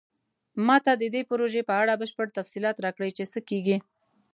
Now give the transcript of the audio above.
ما ته د دې پروژې په اړه بشپړ تفصیلات راکړئ چې څه کیږي